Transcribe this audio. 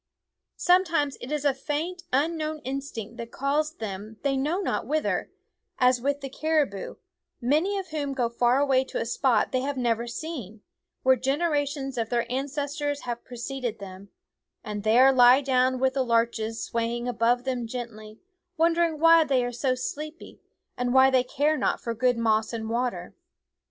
Sometimes it is a faint, unknown instinct that calls them they know not whither, as with the caribou, many of whom go far away to a spot they have never seen, where generations of their ancestors have preceded them, and there lie down with the larches swaying above them gently, wonder ing why they are so sleepy, and why they care not for good moss and water.